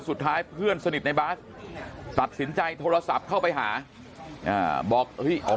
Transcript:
เพื่อนสนิทในบาสตัดสินใจโทรศัพท์เข้าไปหาบอก